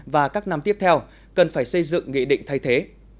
và các năm tiếp theo cần phải xây dựng nghị định thay thế